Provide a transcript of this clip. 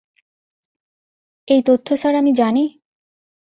এই তথ্য স্যার আমি জানি?